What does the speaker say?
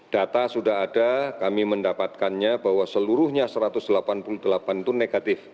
data sudah ada kami mendapatkannya bahwa seluruhnya satu ratus delapan puluh delapan itu negatif